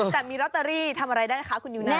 แต่มีลอตเตอรี่ทำอะไรได้คะคุณยูเน่